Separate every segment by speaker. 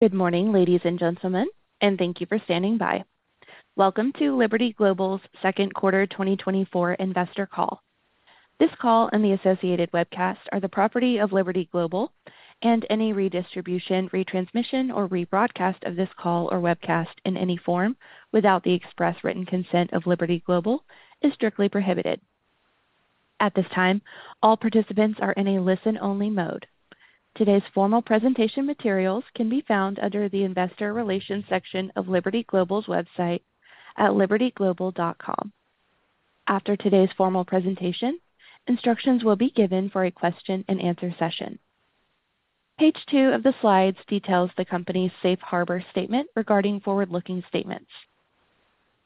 Speaker 1: Good morning, ladies and gentlemen, and thank you for standing by. Welcome to Liberty Global's Q2 2024 Investor Call. This call and the associated webcast are the property of Liberty Global, and any redistribution, retransmission, or rebroadcast of this call or webcast in any form without the express written consent of Liberty Global is strictly prohibited. At this time, all participants are in a listen-only mode. Today's formal presentation materials can be found under the Investor Relations section of Liberty Global's website at libertyglobal.com. After today's formal presentation, instructions will be given for a question-and-answer session. Page two of the slides details the company's safe harbor statement regarding forward-looking statements.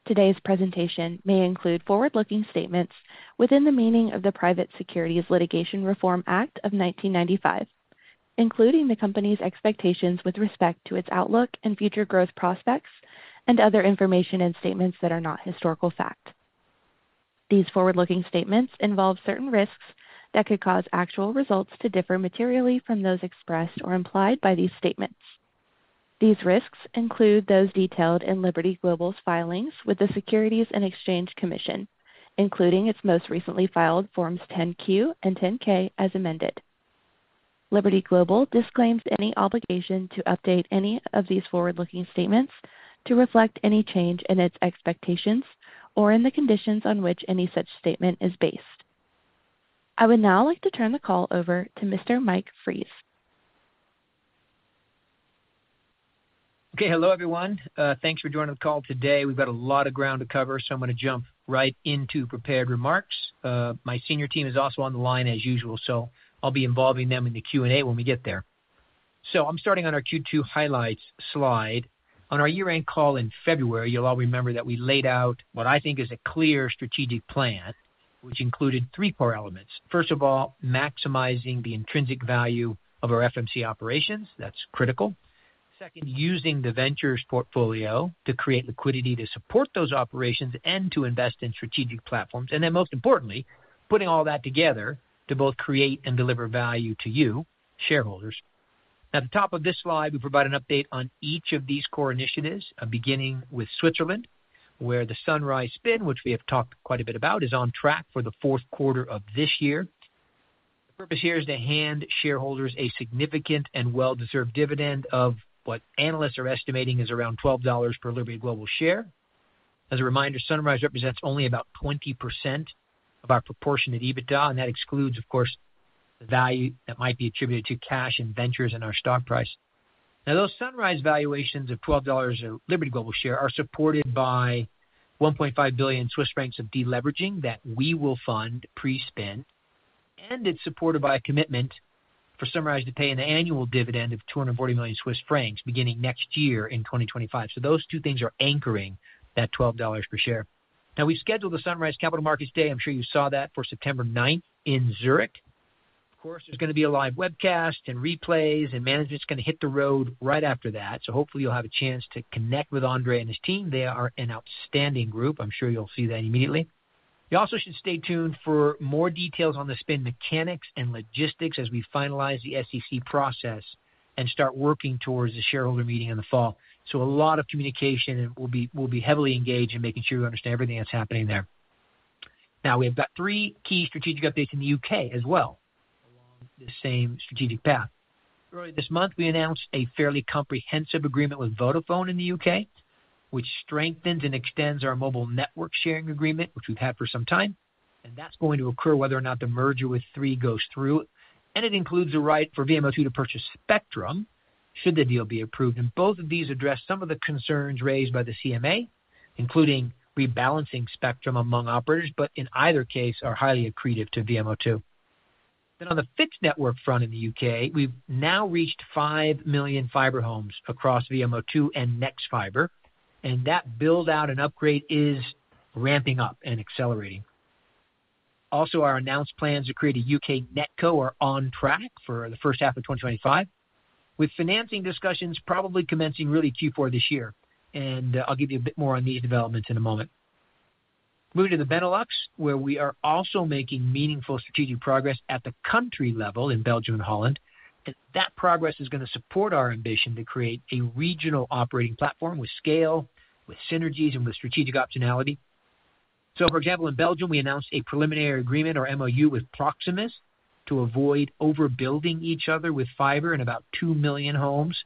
Speaker 1: Today's presentation may include forward-looking statements within the meaning of the Private Securities Litigation Reform Act of 1995, including the company's expectations with respect to its outlook and future growth prospects and other information and statements that are not historical fact. These forward-looking statements involve certain risks that could cause actual results to differ materially from those expressed or implied by these statements. These risks include those detailed in Liberty Global's filings with the Securities and Exchange Commission, including its most recently filed Forms 10-Q and 10-K, as amended. Liberty Global disclaims any obligation to update any of these forward-looking statements to reflect any change in its expectations or in the conditions on which any such statement is based. I would now like to turn the call over to Mr. Mike Fries.
Speaker 2: Okay. Hello, everyone. Thanks for joining the call today. We've got a lot of ground to cover, so I'm gonna jump right into prepared remarks. My senior team is also on the line as usual, so I'll be involving them in the Q&A when we get there. So I'm starting on our Q2 highlights slide. On our year-end call in February, you'll all remember that we laid out what I think is a clear strategic plan, which included three core elements. First of all, maximizing the intrinsic value of our FMC operations. That's critical. Second, using the ventures portfolio to create liquidity to support those operations and to invest in strategic platforms, and then, most importantly, putting all that together to both create and deliver value to you, shareholders. At the top of this slide, we provide an update on each of these core initiatives, beginning with Switzerland, where the Sunrise spin, which we have talked quite a bit about, is on track for the Q4 of this year. The purpose here is to hand shareholders a significant and well-deserved dividend of what analysts are estimating is around $12 per Liberty Global share. As a reminder, Sunrise represents only about 20% of our proportionate EBITDA, and that excludes, of course, the value that might be attributed to cash and ventures in our stock price. Now, those Sunrise valuations of $12 a Liberty Global share are supported by 1.5 billion Swiss francs of deleveraging that we will fund pre-spin, and it's supported by a commitment for Sunrise to pay an annual dividend of 240 million Swiss francs beginning next year in 2025. So those two things are anchoring that $12 per share. Now, we scheduled the Sunrise Capital Markets Day. I'm sure you saw that, for September ninth in Zurich. Of course, there's gonna be a live webcast and replays, and management's gonna hit the road right after that, so hopefully you'll have a chance to connect with Andrea and his team. They are an outstanding group. I'm sure you'll see that immediately. You also should stay tuned for more details on the spin mechanics and logistics as we finalize the SEC process and start working towards the shareholder meeting in the fall. So a lot of communication, and we'll be, we'll be heavily engaged in making sure you understand everything that's happening there. Now, we've got three key strategic updates in the UK as well, along the same strategic path. Earlier this month, we announced a fairly comprehensive agreement with Vodafone in the UK, which strengthens and extends our mobile network sharing agreement, which we've had for some time. That's going to occur whether or not the merger with Three goes through. It includes a right for VMO2 to purchase spectrum should the deal be approved. And both of these address some of the concerns raised by the CMA, including rebalancing spectrum among operators, but in either case, are highly accretive to VMO2. Then on the fixed network front in the UK, we've now reached 5 million fiber homes across VMO2 and nexfibre, and that build-out and upgrade is ramping up and accelerating. Also, our announced plans to create a UK NetCo are on track for the first half of 2025, with financing discussions probably commencing really Q4 this year. And, I'll give you a bit more on these developments in a moment. Moving to the Benelux, where we are also making meaningful strategic progress at the country level in Belgium and Holland, and that progress is gonna support our ambition to create a regional operating platform with scale, with synergies, and with strategic optionality. So, for example, in Belgium, we announced a preliminary agreement or MOU with Proximus to avoid overbuilding each other with fiber in about 2 million homes,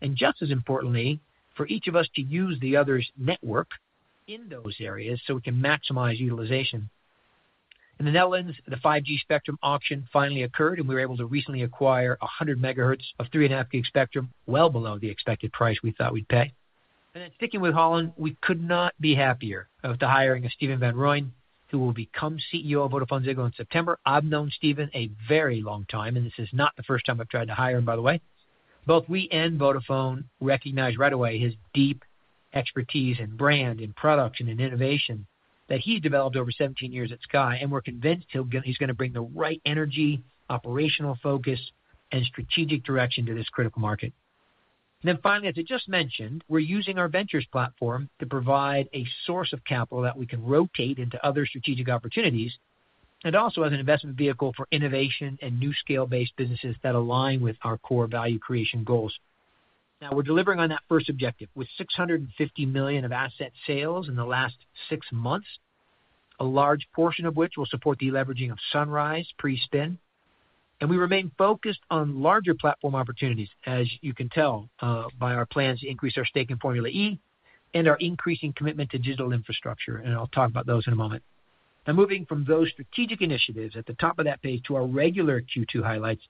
Speaker 2: and just as importantly, for each of us to use the other's network in those areas so we can maximize utilization. In the Netherlands, the 5G spectrum auction finally occurred, and we were able to recently acquire 100 megahertz of 3.5 gig spectrum, well below the expected price we thought we'd pay. And then sticking with Holland, we could not be happier about the hiring of Stephen van Rooyen, who will become CEO of VodafoneZiggo in September. I've known Stephen a very long time, and this is not the first time I've tried to hire him, by the way. Both we and Vodafone recognized right away his deep expertise in brand and product and in innovation that he's developed over 17 years at Sky, and we're convinced he'll—he's gonna bring the right energy, operational focus, and strategic direction to this critical market. Then finally, as I just mentioned, we're using our ventures platform to provide a source of capital that we can rotate into other strategic opportunities... and also as an investment vehicle for innovation and new scale-based businesses that align with our core value creation goals. Now, we're delivering on that first objective, with $650 million of asset sales in the last six months, a large portion of which will support the leveraging of Sunrise pre-spin. And we remain focused on larger platform opportunities, as you can tell, by our plans to increase our stake in Formula E and our increasing commitment to digital infrastructure, and I'll talk about those in a moment. Now, moving from those strategic initiatives at the top of that page to our regular Q2 highlights.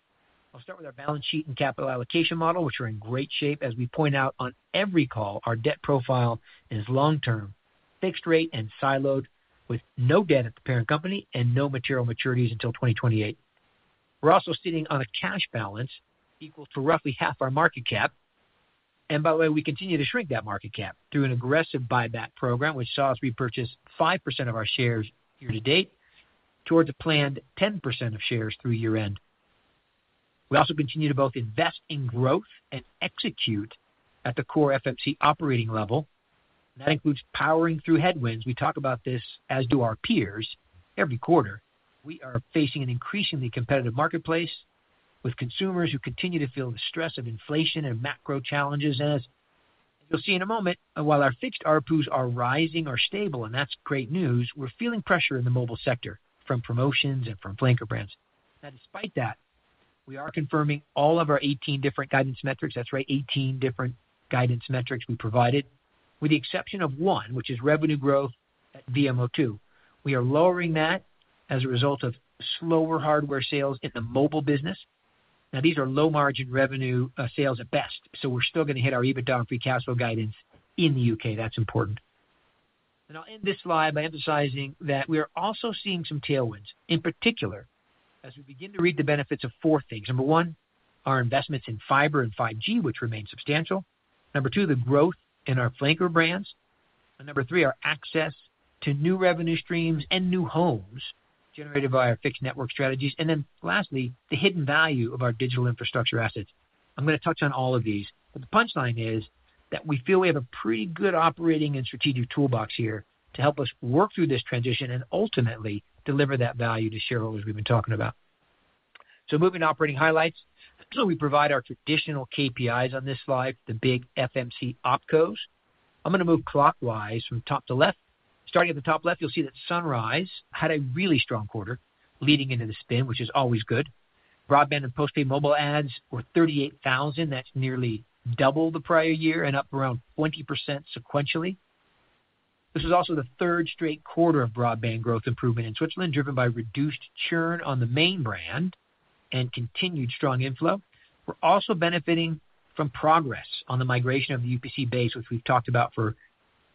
Speaker 2: I'll start with our balance sheet and capital allocation model, which are in great shape. As we point out on every call, our debt profile is long term, fixed rate, and siloed, with no debt at the parent company and no material maturities until 2028. We're also sitting on a cash balance equal to roughly half our market cap. And by the way, we continue to shrink that market cap through an aggressive buyback program, which saw us repurchase 5% of our shares year to date towards a planned 10% of shares through year-end. We also continue to both invest in growth and execute at the core FMC operating level. That includes powering through headwinds. We talk about this, as do our peers, every quarter. We are facing an increasingly competitive marketplace, with consumers who continue to feel the stress of inflation and macro challenges, as you'll see in a moment, while our fixed ARPUs are rising or stable, and that's great news, we're feeling pressure in the mobile sector from promotions and from flanker brands. Now, despite that, we are confirming all of our 18 different guidance metrics. That's right, 18 different guidance metrics we provided, with the exception of one, which is revenue growth at VMO2. We are lowering that as a result of slower hardware sales in the mobile business. Now, these are low-margin revenue, sales at best, so we're still going to hit our EBITDA free cash flow guidance in the UK. That's important. And I'll end this slide by emphasizing that we are also seeing some tailwinds, in particular, as we begin to reap the benefits of four things. Number one, our investments in fiber and 5G, which remain substantial. Number two, the growth in our flanker brands. And number three, our access to new revenue streams and new homes generated by our fixed network strategies. And then lastly, the hidden value of our digital infrastructure assets. I'm going to touch on all of these, but the punchline is that we feel we have a pretty good operating and strategic toolbox here to help us work through this transition and ultimately deliver that value to shareholders we've been talking about. So moving to operating highlights. So we provide our traditional KPIs on this slide, the big FMC opcos. I'm going to move clockwise from top to left. Starting at the top left, you'll see that Sunrise had a really strong quarter leading into the spin, which is always good. Broadband and postpaid mobile adds were 38,000. That's nearly double the prior year and up around 20% sequentially. This is also the third straight quarter of broadband growth improvement in Switzerland, driven by reduced churn on the main brand and continued strong inflow. We're also benefiting from progress on the migration of the UPC base, which we've talked about for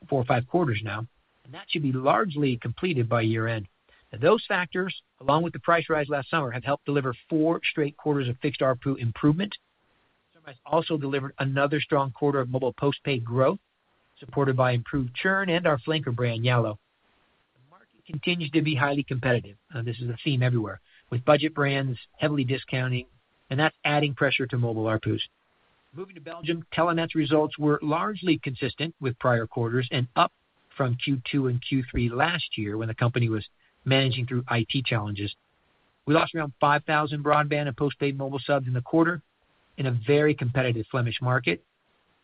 Speaker 2: four or five quarters now, and that should be largely completed by year-end. Now those factors, along with the price rise last summer, have helped deliver four straight quarters of fixed ARPU improvement. Sunrise also delivered another strong quarter of mobile postpaid growth, supported by improved churn and our flanker brand, Yallo. The market continues to be highly competitive, this is a theme everywhere, with budget brands heavily discounting, and that's adding pressure to mobile ARPUs. Moving to Belgium, Telenet's results were largely consistent with prior quarters and up from Q2 and Q3 last year, when the company was managing through IT challenges. We lost around 5,000 broadband and postpaid mobile subs in the quarter in a very competitive Flemish market,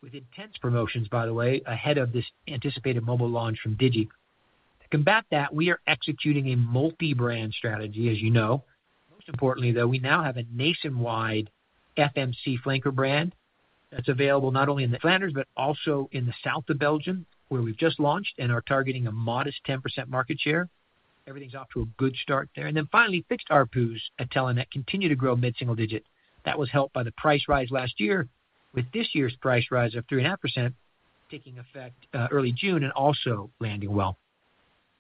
Speaker 2: with intense promotions, by the way, ahead of this anticipated mobile launch from Digi. To combat that, we are executing a multi-brand strategy, as you know. Most importantly, though, we now have a nationwide FMC flanker brand that's available not only in the Flanders, but also in the south of Belgium, where we've just launched and are targeting a modest 10% market share. Everything's off to a good start there. And then finally, fixed ARPUs at Telenet continue to grow mid-single digit. That was helped by the price rise last year, with this year's price rise of 3.5% taking effect early June and also landing well.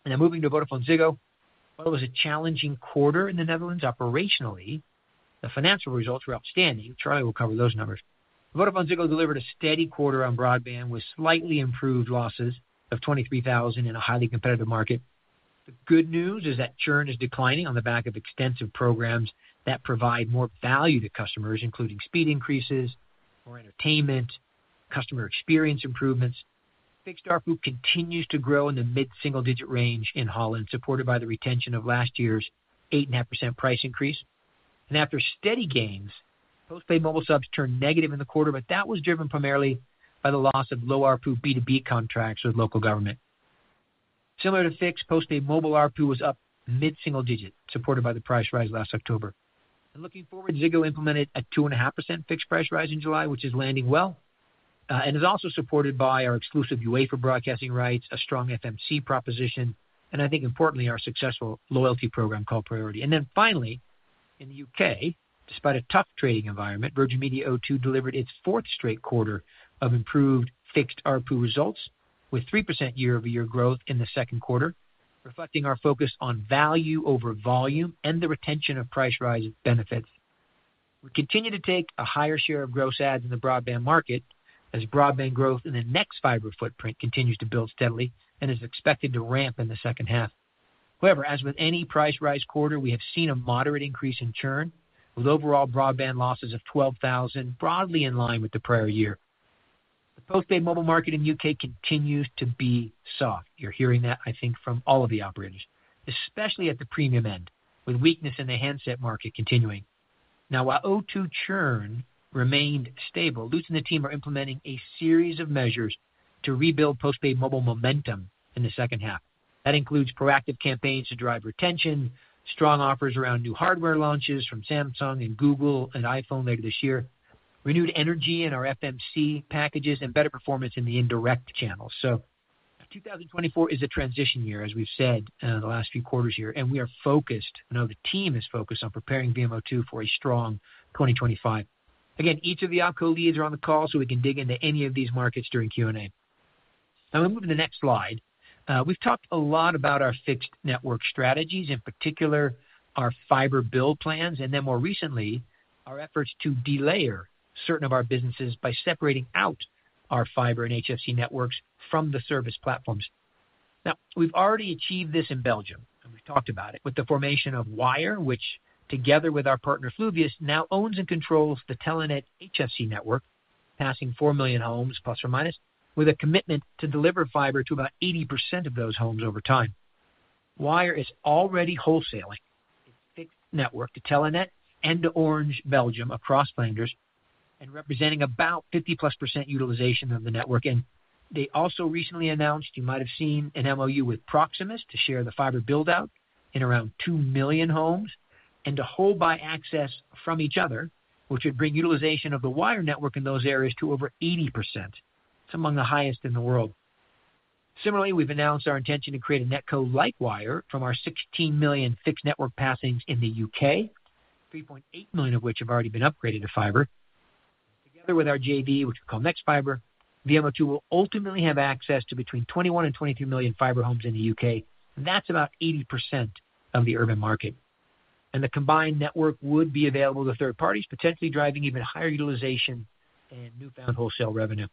Speaker 2: Now moving to VodafoneZiggo. While it was a challenging quarter in the Netherlands operationally, the financial results were outstanding. Charlie will cover those numbers. VodafoneZiggo delivered a steady quarter on broadband, with slightly improved losses of 23,000 in a highly competitive market. The good news is that churn is declining on the back of extensive programs that provide more value to customers, including speed increases, more entertainment, customer experience improvements. Fixed ARPU continues to grow in the mid-single-digit range in Holland, supported by the retention of last year's 8.5% price increase. After steady gains, postpaid mobile subs turned negative in the quarter, but that was driven primarily by the loss of low ARPU B2B contracts with local government. Similar to fixed, postpaid mobile ARPU was up mid-single-digit, supported by the price rise last October. And looking forward, Ziggo implemented a 2.5% fixed price rise in July, which is landing well, and is also supported by our exclusive UEFA football broadcasting rights, a strong FMC proposition, and I think importantly, our successful loyalty program called Priority. And then finally, in the UK, despite a tough trading environment, Virgin Media O2 delivered its fourth straight quarter of improved fixed ARPU results, with 3% year-over-year growth in the Q2, reflecting our focus on value over volume and the retention of price rise benefits. We continue to take a higher share of gross adds in the broadband market as broadband growth in the nexfibre footprint continues to build steadily and is expected to ramp in the second half. However, as with any price rise quarter, we have seen a moderate increase in churn, with overall broadband losses of 12,000 broadly in line with the prior year. The postpaid mobile market in U.K. continues to be soft. You're hearing that, I think, from all of the operators, especially at the premium end, with weakness in the handset market continuing. Now, while O2 churn remained stable, Lutz and the team are implementing a series of measures to rebuild postpaid mobile momentum in the second half. That includes proactive campaigns to drive retention, strong offers around new hardware launches from Samsung and Google and iPhone later this year, renewed energy in our FMC packages, and better performance in the indirect channels. So 2024 is a transition year, as we've said, the last few quarters here, and we are focused. I know the team is focused on preparing VMO2 for a strong 2025. Again, each of the OpCo leads are on the call, so we can dig into any of these markets during Q&A. Now, moving to the next slide. We've talked a lot about our fixed network strategies, in particular, our fiber build plans, and then more recently, our efforts to delayer certain of our businesses by separating out our fiber and HFC networks from the service platforms. Now, we've already achieved this in Belgium, and we've talked about it, with the formation of Wyre, which together with our partner, Fluvius, now owns and controls the Telenet HFC network, passing 4 million homes, plus or minus, with a commitment to deliver fiber to about 80% of those homes over time. Wyre is already wholesaling its fixed network to Telenet and to Orange Belgium across Flanders, and representing about 50%+ utilization of the network. And they also recently announced, you might have seen an MOU with Proximus to share the fiber build out in around 2 million homes, and to wholesale access from each other, which would bring utilization of the Wyre network in those areas to over 80%. It's among the highest in the world. Similarly, we've announced our intention to create a NetCo like Wyre from our 16 million fixed network passings in the UK, 3.8 million of which have already been upgraded to fiber. Together with our JV, which we call nexfibre, VMO2 will ultimately have access to between 21-23 million fiber homes in the UK. That's about 80% of the urban market. And the combined network would be available to third parties, potentially driving even higher utilization and newfound wholesale revenue.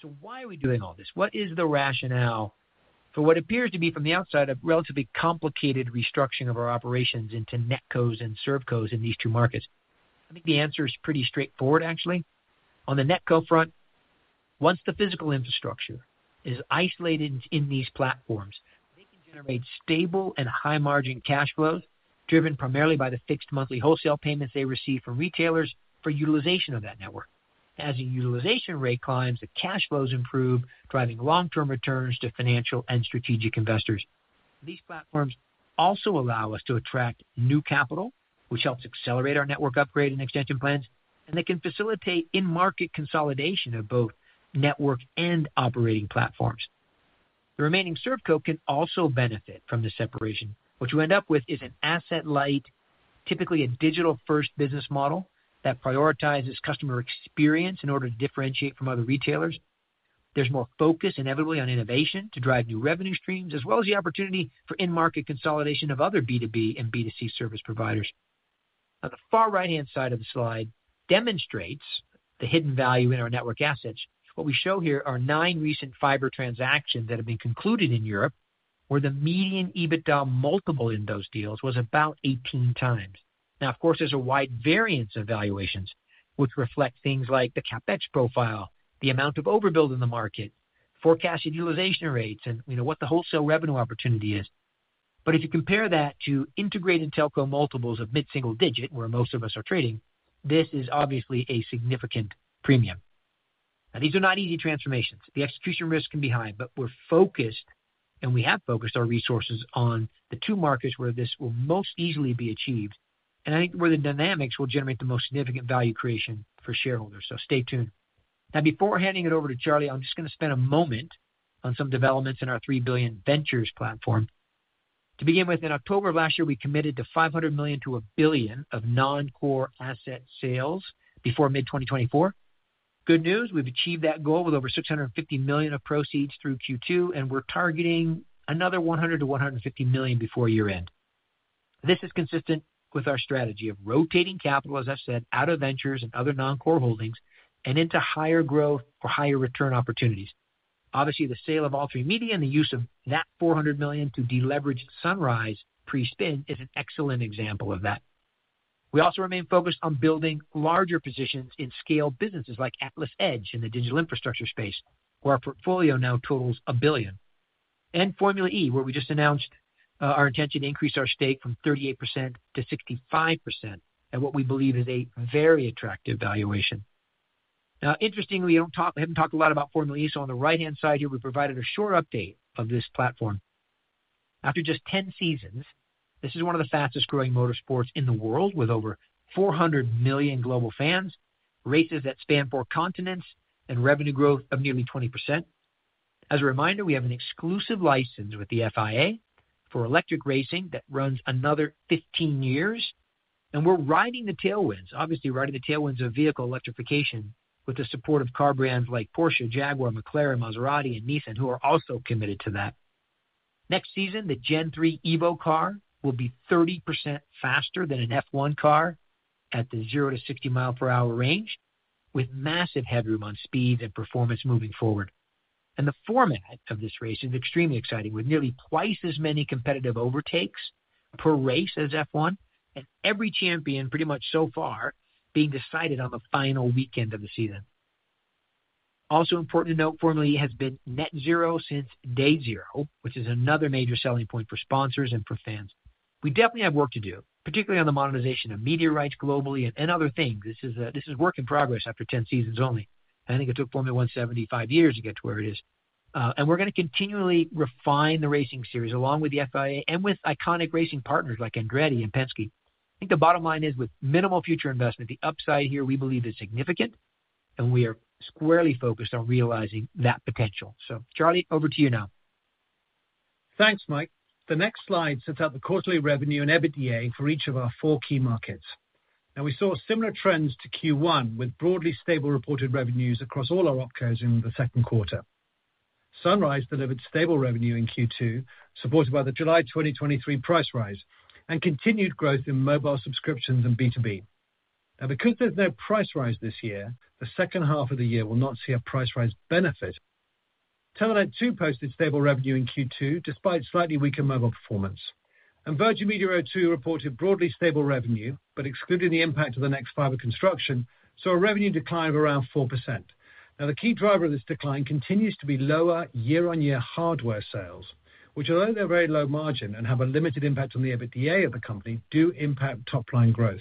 Speaker 2: So why are we doing all this? What is the rationale for what appears to be, from the outside, a relatively complicated restructuring of our operations into NetCos and ServCos in these two markets? I think the answer is pretty straightforward, actually. On the NetCo front, once the physical infrastructure is isolated in these platforms, they can generate stable and high margin cash flows, driven primarily by the fixed monthly wholesale payments they receive from retailers for utilization of that network. As the utilization rate climbs, the cash flows improve, driving long-term returns to financial and strategic investors. These platforms also allow us to attract new capital, which helps accelerate our network upgrade and extension plans, and they can facilitate in-market consolidation of both network and operating platforms. The remaining ServCo can also benefit from the separation. What you end up with is an asset-light, typically a digital-first business model that prioritizes customer experience in order to differentiate from other retailers. There's more focus, inevitably, on innovation to drive new revenue streams, as well as the opportunity for in-market consolidation of other B2B and B2C service providers. On the far right-hand side of the slide demonstrates the hidden value in our network assets. What we show here are nine recent fiber transactions that have been concluded in Europe, where the median EBITDA multiple in those deals was about 18x. Now, of course, there's a wide variance of valuations, which reflect things like the CapEx profile, the amount of overbuild in the market, forecasted utilization rates, and, you know, what the wholesale revenue opportunity is. But if you compare that to integrated telco multiples of mid-single digit, where most of us are trading, this is obviously a significant premium. Now, these are not easy transformations. The execution risk can be high, but we're focused, and we have focused our resources on the two markets where this will most easily be achieved, and I think where the dynamics will generate the most significant value creation for shareholders. So stay tuned. Now, before handing it over to Charlie, I'm just going to spend a moment on some developments in our $3 billion ventures platform. To begin with, in October of last year, we committed to $500 million-$1 billion of non-core asset sales before mid-2024. Good news, we've achieved that goal with over $650 million of proceeds through Q2, and we're targeting another $100-$150 million before year-end. This is consistent with our strategy of rotating capital, as I've said, out of ventures and other non-core holdings and into higher growth or higher return opportunities. Obviously, the sale of All3Media and the use of that $400 million to deleverage Sunrise pre-spin is an excellent example of that. We also remain focused on building larger positions in scale businesses like AtlasEdge in the digital infrastructure space, where our portfolio now totals $1 billion. And Formula E, where we just announced our intention to increase our stake from 38% to 65% at what we believe is a very attractive valuation. Now, interestingly, we haven't talked a lot about Formula E, so on the right-hand side here, we provided a short update of this platform. After just 10 seasons, this is one of the fastest growing motorsports in the world, with over 400 million global fans, races that span four continents, and revenue growth of nearly 20%. As a reminder, we have an exclusive license with the FIA for electric racing that runs another 15 years, and we're riding the tailwinds, obviously riding the tailwinds of vehicle electrification with the support of car brands like Porsche, Jaguar, McLaren, Maserati, and Nissan, who are also committed to that. Next season, the GEN3 Evo car will be 30% faster than an F1 car at the 0-60 mile per hour range, with massive headroom on speed and performance moving forward. And the format of this race is extremely exciting, with nearly twice as many competitive overtakes per race as F1, and every champion, pretty much so far, being decided on the final weekend of the season. Also important to note, Formula E has been net zero since day zero, which is another major selling point for sponsors and for fans. We definitely have work to do, particularly on the monetization of media rights globally and other things. This is, this is work in progress after 10 seasons only. I think it took Formula One 75 years to get to where it is. And we're gonna continually refine the racing series, along with the FIA and with iconic racing partners like Andretti and Penske. I think the bottom line is, with minimal future investment, the upside here, we believe, is significant, and we are squarely focused on realizing that potential. So Charlie, over to you now.
Speaker 3: Thanks, Mike. The next slide sets out the quarterly revenue and EBITDA for each of our four key markets. Now, we saw similar trends to Q1, with broadly stable reported revenues across all our opcos in the Q2. Sunrise delivered stable revenue in Q2, supported by the July 2023 price rise, and continued growth in mobile subscriptions and B2B. Now, because there's no price rise this year, the second half of the year will not see a price rise benefit. Telenet posted stable revenue in Q2, despite slightly weaker mobile performance. And Virgin Media O2 reported broadly stable revenue, but excluding the impact of the nexfibre construction, saw a revenue decline of around 4%. Now, the key driver of this decline continues to be lower year-on-year hardware sales, which although they're very low margin and have a limited impact on the EBITDA of the company, do impact top-line growth.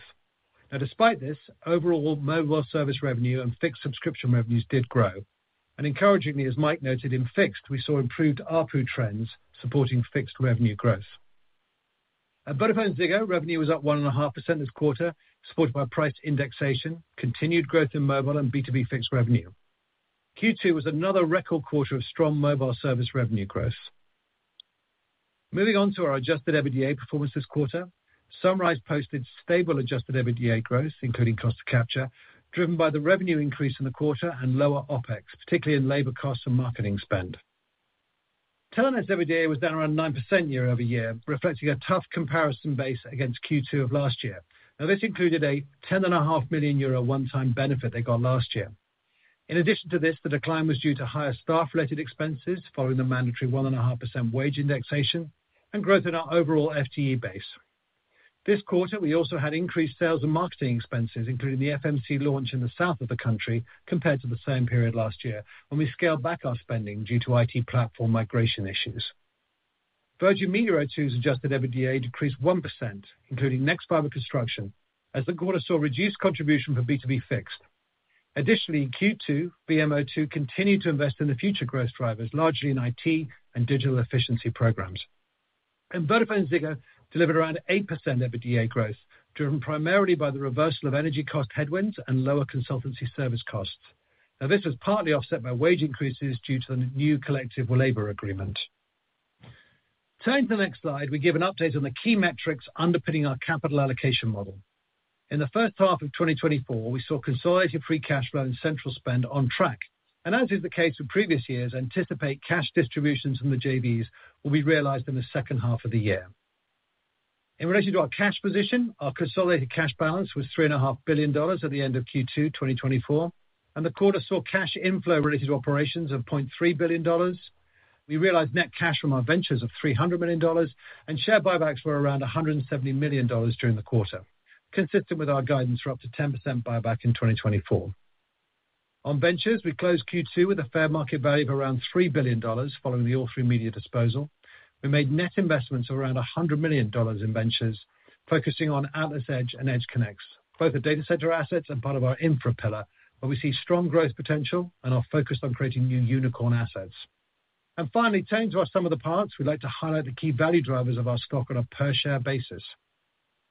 Speaker 3: Now, despite this, overall mobile service revenue and fixed subscription revenues did grow. Encouragingly, as Mike noted, in fixed, we saw improved ARPU trends supporting fixed revenue growth. At VodafoneZiggo, revenue was up 1.5% this quarter, supported by price indexation, continued growth in mobile and B2B fixed revenue. Q2 was another record quarter of strong mobile service revenue growth. Moving on to our Adjusted EBITDA performance this quarter, Sunrise posted stable Adjusted EBITDA growth, including cost to capture, driven by the revenue increase in the quarter and lower OpEx, particularly in labor costs and marketing spend. Telenet's EBITDA was down around 9% year-over-year, reflecting a tough comparison base against Q2 of last year. Now, this included a 10.5 million euro one-time benefit they got last year. In addition to this, the decline was due to higher staff-related expenses following the mandatory 1.5% wage indexation and growth in our overall FTE base. This quarter, we also had increased sales and marketing expenses, including the FMC launch in the south of the country, compared to the same period last year, when we scaled back our spending due to IT platform migration issues. Virgin Media O2's adjusted EBITDA decreased 1%, including nexfibre construction, as the quarter saw reduced contribution for B2B Fixed. Additionally, in Q2, VMO2 continued to invest in the future growth drivers, largely in IT and digital efficiency programs. VodafoneZiggo delivered around 8% EBITDA growth, driven primarily by the reversal of energy cost headwinds and lower consultancy service costs. Now, this was partly offset by wage increases due to the new collective labor agreement. Turning to the next slide, we give an update on the key metrics underpinning our capital allocation model. In the first half of 2024, we saw consolidated free cash flow and central spend on track, and as is the case in previous years, anticipate cash distributions from the JVs will be realized in the second half of the year. In relation to our cash position, our consolidated cash balance was $3.5 billion at the end of Q2 2024, and the quarter saw cash inflow related to operations of $0.3 billion. We realized net cash from our ventures of $300 million, and share buybacks were around $170 million during the quarter, consistent with our guidance for up to 10% buyback in 2024. On ventures, we closed Q2 with a fair market value of around $3 billion, following the All3Media disposal. We made net investments of around $100 million in ventures, focusing on AtlasEdge and EdgeConneX, both are data center assets and part of our infra pillar, where we see strong growth potential and are focused on creating new unicorn assets. Finally, turning to our sum of the parts, we'd like to highlight the key value drivers of our stock on a per-share basis.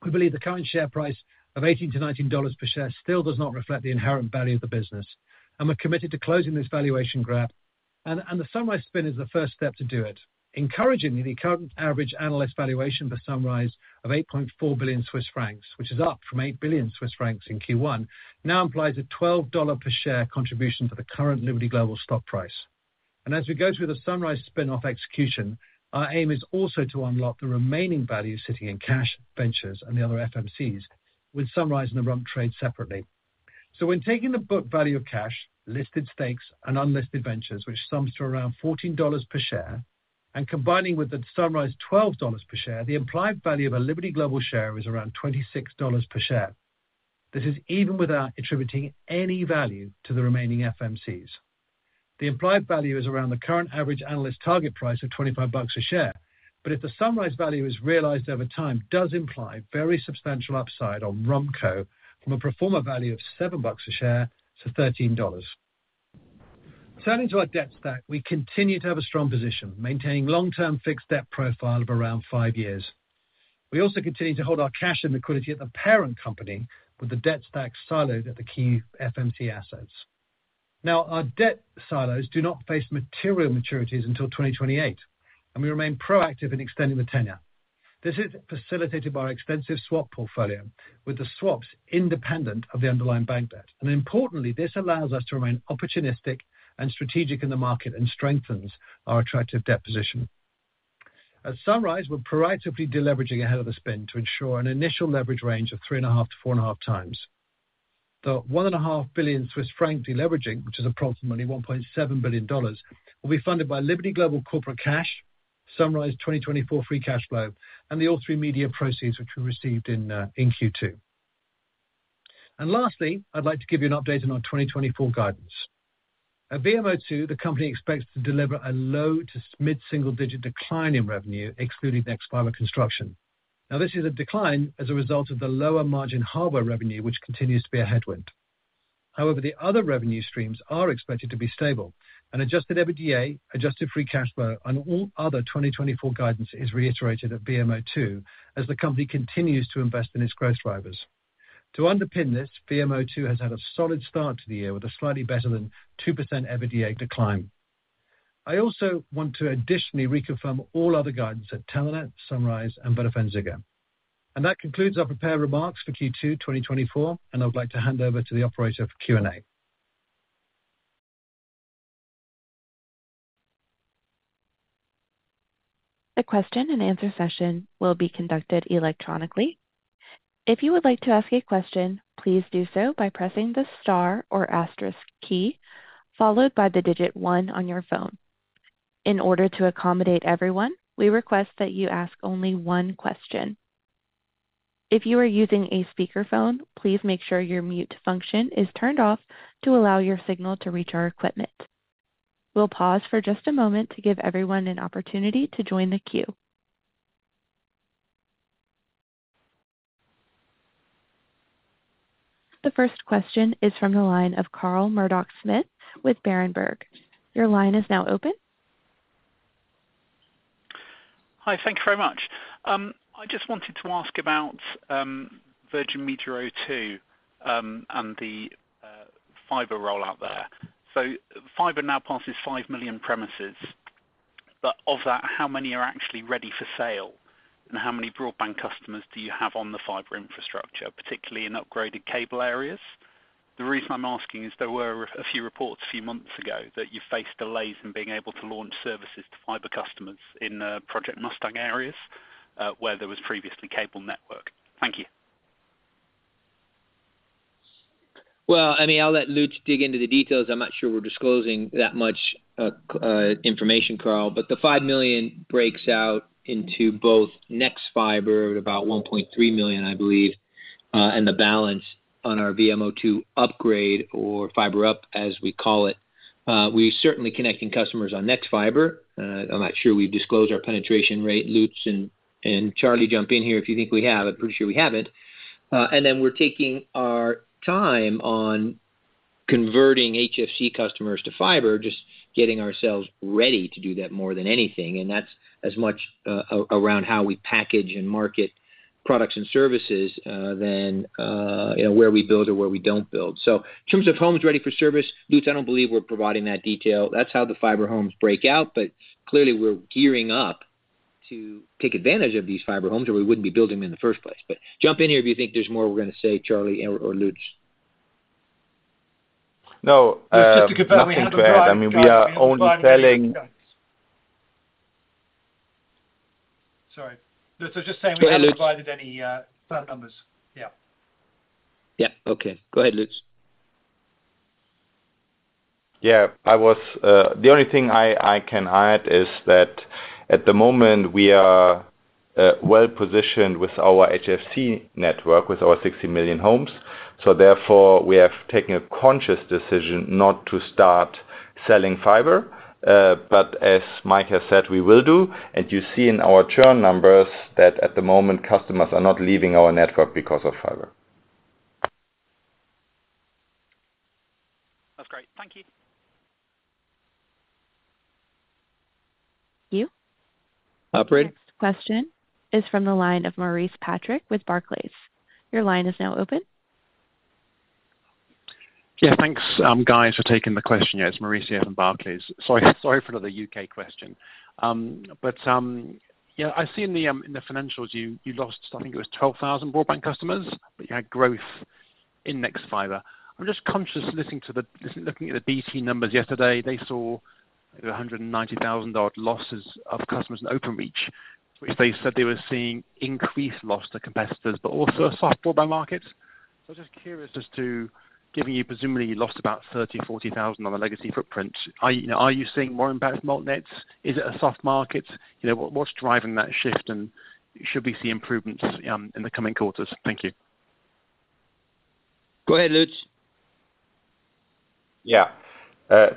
Speaker 3: We believe the current share price of $18-$19 per share still does not reflect the inherent value of the business, and we're committed to closing this valuation gap, and the Sunrise spin is the first step to do it. Encouragingly, the current average analyst valuation for Sunrise of 8.4 billion Swiss francs, which is up from 8 billion Swiss francs in Q1, now implies a $12 per share contribution to the current Liberty Global stock price. And as we go through the Sunrise spin-off execution, our aim is also to unlock the remaining value sitting in cash, ventures, and the other FMCs, with Sunrise and the Rump trade separately. So when taking the book value of cash, listed stakes, and unlisted ventures, which sums to around $14 per share, and combining with the Sunrise $12 per share, the implied value of a Liberty Global share is around $26 per share. This is even without attributing any value to the remaining FMCs. The implied value is around the current average analyst target price of $25 a share. But if the Sunrise value is realized over time, does imply very substantial upside on Rumco from a pro forma value of $7 a share to $13. Turning to our debt stack, we continue to have a strong position, maintaining long-term fixed debt profile of around five years. We also continue to hold our cash and liquidity at the parent company, with the debt stack siloed at the key FMC assets. Now, our debt silos do not face material maturities until 2028, and we remain proactive in extending the tenure. This is facilitated by our extensive swap portfolio, with the swaps independent of the underlying bank debt. And importantly, this allows us to remain opportunistic and strategic in the market and strengthens our attractive debt position. At Sunrise, we're proactively deleveraging ahead of the spend to ensure an initial leverage range of 3.5-4.5 times. The 1.5 billion Swiss franc deleveraging, which is approximately $1.7 billion, will be funded by Liberty Global corporate cash, Sunrise 2024 free cash flow, and the All3Media proceeds, which we received in Q2. And lastly, I'd like to give you an update on our 2024 guidance. At VMO2, the company expects to deliver a low- to mid-single-digit decline in revenue, excluding Nexfibre construction. Now, this is a decline as a result of the lower margin hardware revenue, which continues to be a headwind. However, the other revenue streams are expected to be stable and adjusted EBITDA, adjusted free cash flow, and all other 2024 guidance is reiterated at VMO2 as the company continues to invest in its growth drivers. To underpin this, VMO2 has had a solid start to the year with a slightly better than 2% EBITDA decline. I also want to additionally reconfirm all other guidance at Telenet, Sunrise, and VodafoneZiggo. And that concludes our prepared remarks for Q2 2024, and I'd like to hand over to the operator for Q&A.
Speaker 1: The question and answer session will be conducted electronically. If you would like to ask a question, please do so by pressing the star or asterisk key, followed by the digit one on your phone. In order to accommodate everyone, we request that you ask only one question. If you are using a speakerphone, please make sure your mute function is turned off to allow your signal to reach our equipment. We'll pause for just a moment to give everyone an opportunity to join the queue. The first question is from the line of Carl Murdock-Smith with Berenberg. Your line is now open.
Speaker 4: Hi, thank you very much. I just wanted to ask about Virgin Media O2 and the fiber rollout there. So fiber now passes 5 million premises, but of that, how many are actually ready for sale? And how many broadband customers do you have on the fiber infrastructure, particularly in upgraded cable areas? The reason I'm asking is there were a few reports a few months ago that you faced delays in being able to launch services to fiber customers in Project Mustang areas, where there was previously cable network. Thank you.
Speaker 2: Well, I mean, I'll let Lutz dig into the details. I'm not sure we're disclosing that much information, Carl, but the 5 million breaks out into both nexfibre at about 1.3 million, I believe, and the balance on our VMO2 upgrade or fiber up, as we call it. We're certainly connecting customers on nexfibre. I'm not sure we've disclosed our penetration rate. Lutz and Charlie, jump in here if you think we have. I'm pretty sure we haven't. And then we're taking our time on converting HFC customers to fiber, just getting ourselves ready to do that more than anything. And that's as much around how we package and market products and services than you know where we build or where we don't build. In terms of homes ready for service, Lutz, I don't believe we're providing that detail. That's how the fiber homes break out, but clearly we're gearing up to take advantage of these fiber homes, or we wouldn't be building them in the first place. Jump in here if you think there's more we're going to say, Charlie or, or Lutz.
Speaker 5: No, nothing to add.
Speaker 3: Just to confirm, we haven't provided-
Speaker 5: I mean, we are only selling-
Speaker 3: Sorry. So just saying we haven't provided any firm numbers. Yeah.
Speaker 2: Yeah, okay. Go ahead, Lutz.
Speaker 5: Yeah, I was. The only thing I can add is that at the moment, we are well positioned with our HFC network, with our 60 million homes. So therefore, we have taken a conscious decision not to start selling fiber, but as Mike has said, we will do. And you see in our churn numbers that at the moment, customers are not leaving our network because of fiber.
Speaker 4: That's great. Thank you.
Speaker 1: You.
Speaker 2: Operator?
Speaker 1: Next question is from the line of Maurice Patrick with Barclays. Your line is now open.
Speaker 6: Yeah, thanks, guys, for taking the question. Yeah, it's Maurice here from Barclays. Sorry for another UK question. But yeah, I see in the financials, you lost, I think it was 12,000 broadband customers, but you had growth in Nexfibre. I'm just conscious listening to, looking at the BT numbers yesterday, they saw 190,000-odd losses of customers in Openreach, which they said they were seeing increased loss to competitors, but also a soft broadband market. So I'm just curious as to, given you presumably lost about 30,000-40,000 on the legacy footprint, are you seeing more impact from alt nets? Is it a soft market? You know, what's driving that shift, and should we see improvements in the coming quarters? Thank you.
Speaker 2: Go ahead, Lutz.
Speaker 5: Yeah.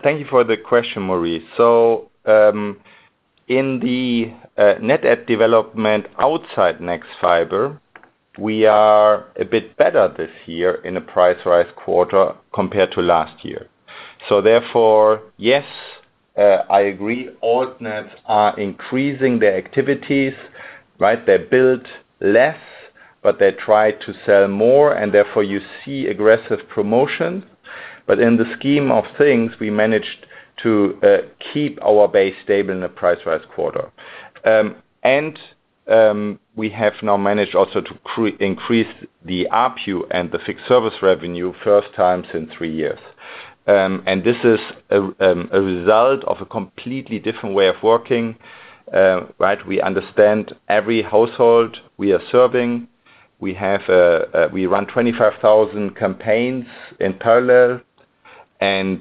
Speaker 5: Thank you for the question, Maurice. So, in the net add development outside nexfibre, we are a bit better this year in a price rise quarter compared to last year. So therefore, yes, I agree, alt nets are increasing their activities, right? They build less, but they try to sell more, and therefore you see aggressive promotion. But in the scheme of things, we managed to keep our base stable in a price rise quarter. And we have now managed also to increase the ARPU and the fixed service revenue, first time in three years. And this is a result of a completely different way of working. Right? We understand every household we are serving. We run 25,000 campaigns in parallel, and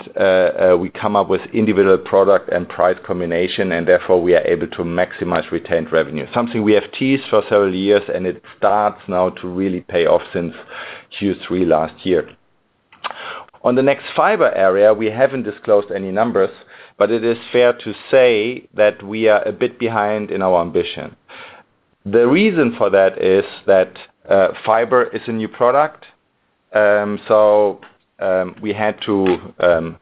Speaker 5: we come up with individual product and price combination, and therefore we are able to maximize retained revenue, something we have teased for several years, and it starts now to really pay off since Q3 last year. On the nexfibre area, we haven't disclosed any numbers, but it is fair to say that we are a bit behind in our ambition. The reason for that is that fiber is a new product, we had to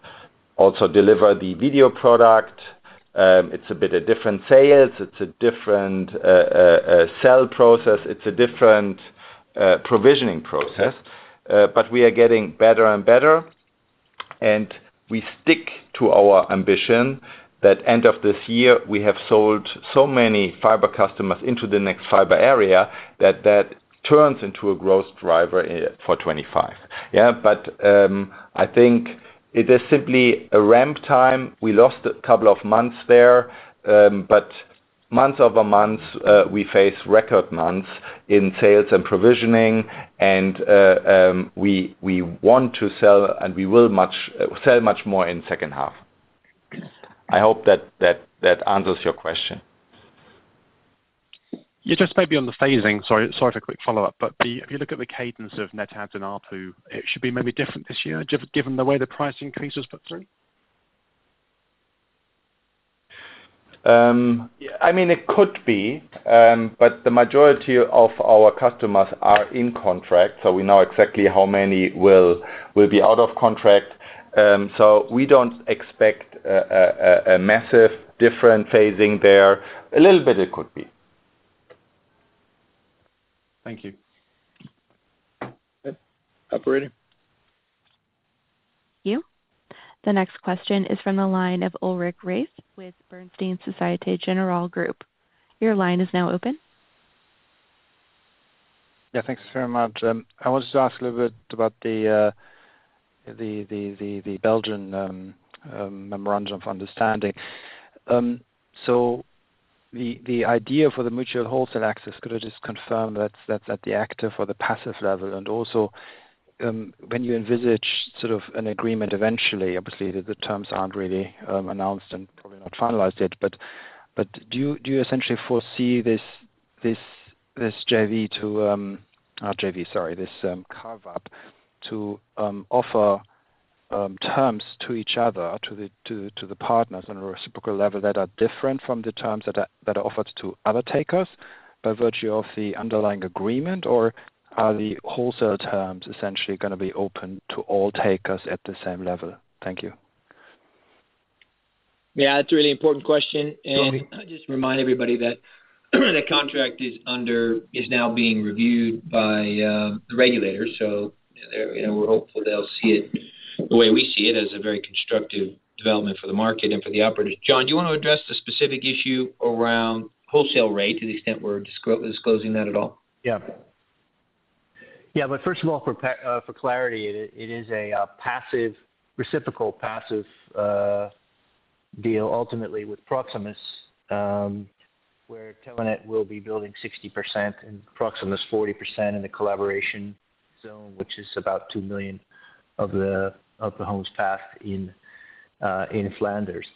Speaker 5: also deliver the video product. It's a bit of different sales, it's a different sell process, it's a different provisioning process. But we are getting better and better, and we stick to our ambition that end of this year, we have sold so many fiber customers into the next fiber area, that turns into a growth driver for 2025. Yeah, but I think it is simply a ramp time. We lost a couple of months there, but month-over-month, we face record months in sales and provisioning, and we want to sell, and we will sell much more in second half. I hope that answers your question.
Speaker 6: Yeah, just maybe on the phasing. Sorry, sorry for a quick follow-up, but if you look at the cadence of net adds and ARPU, it should be maybe different this year, given the way the price increases put through?
Speaker 5: I mean, it could be, but the majority of our customers are in contract, so we know exactly how many will be out of contract. So we don't expect a massive different phasing there. A little bit, it could be.
Speaker 6: Thank you.
Speaker 2: Operator?
Speaker 1: You. The next question is from the line of Ulrich Rathe with Bernstein Société Générale Group. Your line is now open.
Speaker 7: Yeah, thank you very much. I wanted to ask a little bit about the Belgian Memorandum of Understanding. So the idea for the mutual wholesale access, could I just confirm that's at the active or the passive level? And also, when you envisage sort of an agreement eventually, obviously, the terms aren't really announced and probably not finalized yet, but do you essentially foresee this JV, sorry, this carve up to offer terms to each other, to the partners on a reciprocal level that are different from the terms that are offered to other takers by virtue of the underlying agreement? Or are the wholesale terms essentially gonna be open to all takers at the same level? Thank you.
Speaker 2: Yeah, that's a really important question.
Speaker 7: Sorry.
Speaker 2: I'll just remind everybody that the contract is under, is now being reviewed by the regulators. So there, you know, we're hopeful they'll see it the way we see it, as a very constructive development for the market and for the operators. John, do you want to address the specific issue around wholesale rate, to the extent we're disclosing that at all?
Speaker 8: Yeah. Yeah, but first of all, for clarity, it is a passive, reciprocal passive deal, ultimately with Proximus, where Telenet will be building 60% and Proximus 40% in the collaboration zone, which is about 2 million of the homes passed in Flanders.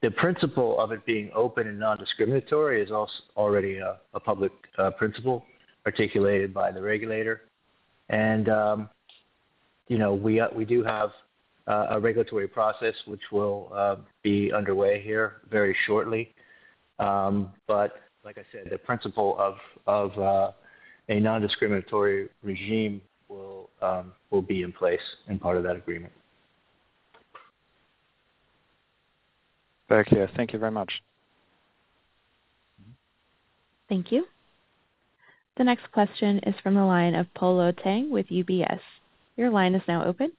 Speaker 8: The principle of it being open and non-discriminatory is already a public principle articulated by the regulator. And, you know, we do have a regulatory process which will be underway here very shortly. But like I said, the principle of a non-discriminatory regime will be in place and part of that agreement.
Speaker 7: Thank you. Thank you very much.
Speaker 1: Thank you. The next question is from the line of Polo Tang with UBS. Your line is now open.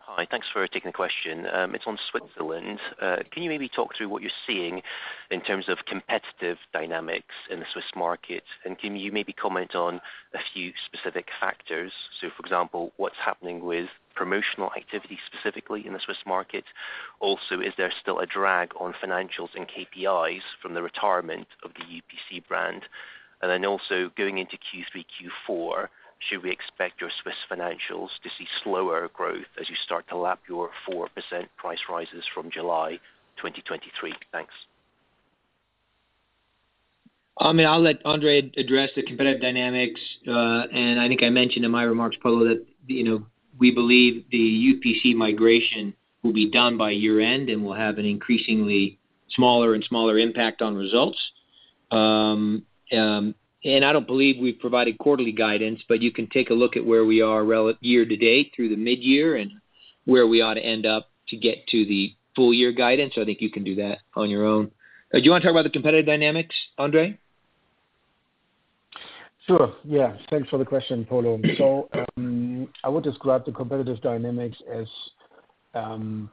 Speaker 9: Hi. Thanks for taking the question. It's on Switzerland. Can you maybe talk through what you're seeing in terms of competitive dynamics in the Swiss market? And can you maybe comment on a few specific factors? So, for example, what's happening with promotional activity, specifically in the Swiss market? Also, is there still a drag on financials and KPIs from the retirement of the UPC brand? And then also going into Q3, Q4, should we expect your Swiss financials to see slower growth as you start to lap your 4% price rises from July 2023? Thanks.
Speaker 2: I mean, I'll let Andrea address the competitive dynamics. And I think I mentioned in my remarks, Polo, that, you know, we believe the UPC migration will be done by year-end and will have an increasingly smaller and smaller impact on results. And I don't believe we've provided quarterly guidance, but you can take a look at where we are year to date, through the mid-year, and where we ought to end up to get to the full year guidance. So I think you can do that on your own. Do you wanna talk about the competitive dynamics, Andrea?
Speaker 10: Sure, yeah. Thanks for the question, Polo. So, I would describe the competitive dynamics as